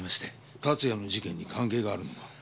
龍哉の事件に関係があるのか？